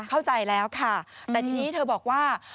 เข้าใจแล้วค่ะแต่ทีนี้เธอบอกว่า